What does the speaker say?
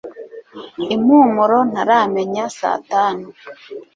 impumuro ntaramenya saa tanu